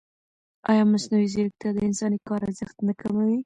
ایا مصنوعي ځیرکتیا د انساني کار ارزښت نه کموي؟